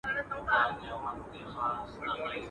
o د ډېري اغزى، د يوه غوزى.